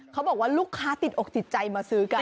เขาบอกว่าลูกค้าติดอกติดใจมาซื้อกัน